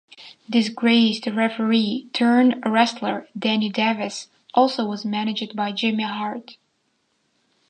Disgraced-referee-turned-wrestler Danny Davis also was managed by Jimmy Hart.